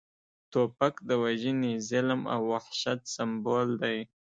توپک د وژنې، ظلم او وحشت سمبول دی